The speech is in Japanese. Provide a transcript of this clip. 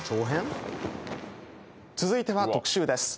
続いては特集です。